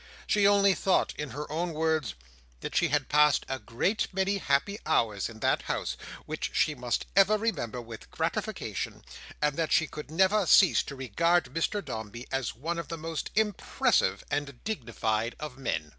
She only thought, in her own words, "that she had passed a great many happy hours in that house, which she must ever remember with gratification, and that she could never cease to regard Mr Dombey as one of the most impressive and dignified of men."